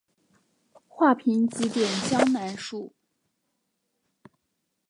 画屏几点江南树。